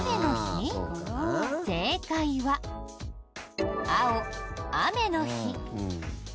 正解は青雨の日。